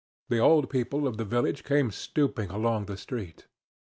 The old people of the village came stooping along the street.